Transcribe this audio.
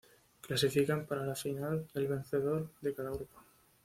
Clasifican para la final el vencedor de cada grupo.